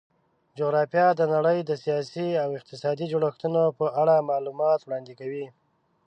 جغرافیه د نړۍ د سیاسي او اقتصادي جوړښتونو په اړه معلومات وړاندې کوي.